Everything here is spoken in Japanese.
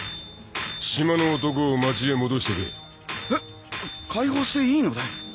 島の男を町へ戻しとけえっ解放していいので？